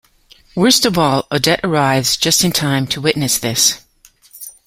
Worst of all, Odette arrives just in time to witness this.